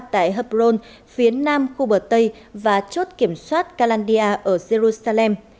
tại hebron phía nam khu bờ tây và chốt kiểm soát kalandia ở jerusalem